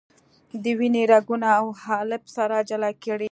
د وینې رګونه او حالب سره جلا کړئ.